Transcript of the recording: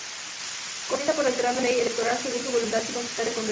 Comienza por alterar la ley electoral según su voluntad, sin consultar al Congreso.